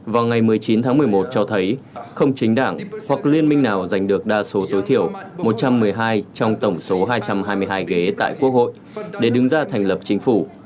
vào ngày một mươi chín tháng một mươi một cho thấy không chính đảng hoặc liên minh nào giành được đa số tối thiểu một trăm một mươi hai trong tổng số hai trăm hai mươi hai ghế tại quốc hội để đứng ra thành lập chính phủ